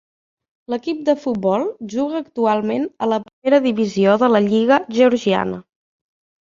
L'equip de futbol juga actualment a la primera divisió de la lliga georgiana.